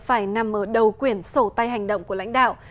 phải nằm ở đầu quyển sổ tay hành động của lãnh đạo